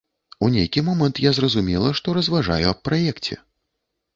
У нейкі момант я зразумела, што разважаю аб праекце.